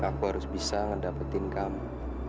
aku harus bisa ngedapetin kamu